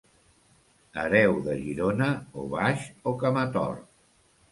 Hereu de Girona, o baix o camatort.